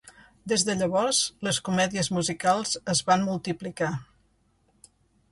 Des de llavors, les comèdies musicals es van multiplicar.